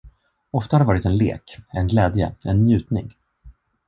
Ofta har det varit en lek, en glädje, en njutning.